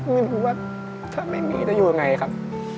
ไม่รู้ว่าถ้าไม่มีจะอยู่ยังไงครับ